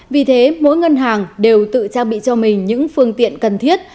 vì thế mỗi ngân hàng đều tự trang bị cho mình những phương tiện cần thiết